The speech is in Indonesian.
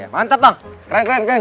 mantap bang keren keren terusin bang